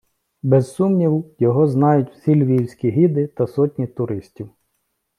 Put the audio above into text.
Без сумніву, його знають всі львівські гіди та сотні туристів.